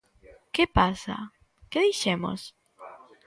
Que pasa, ¿que dixemos?